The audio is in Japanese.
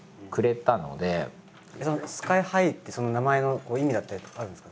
「ＳＫＹ−ＨＩ」ってその名前の意味だったりとかあるんですか？